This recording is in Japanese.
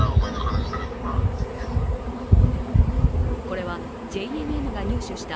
これはＪＮＮが入手した